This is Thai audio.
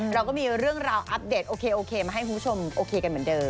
เราก็มีเรื่องราวอัปเดตโอเคโอเคมาให้คุณผู้ชมโอเคกันเหมือนเดิม